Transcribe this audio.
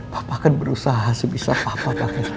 papa kan berusaha sebisa papa tapi